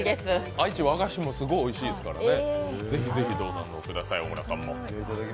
愛知は和菓子もすごいおいしいですからね。